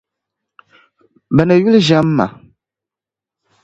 bɛ ni yuli ʒiɛm ma.